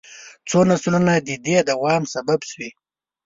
څو نسلونه د دې دوام سبب شوي.